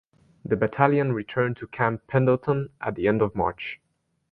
The Battalion returned to Camp Pendleton at the end of March.